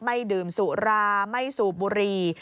ไม่ดื่มสุราไม่สูบบุรี